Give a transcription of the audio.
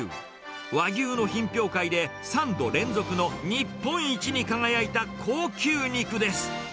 和牛の品評会で、３度連続の日本一に輝いた高級肉です。